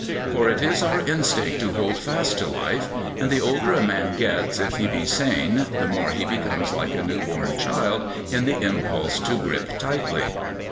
For it is our instinct to hold fast to life, and the older a man gets if he be sane the more he becomes like a newborn child in the impulse to grip tightly.